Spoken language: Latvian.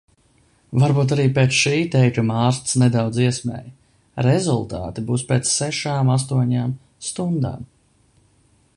Varbūt arī pēc šī teikuma ārsts nedaudz iesmēja. Rezultāti būs pēc sešām-astoņām stundām.